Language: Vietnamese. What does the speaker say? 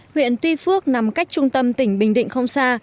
huyện tuy phước nằm cách trung tâm tỉnh bình định không xa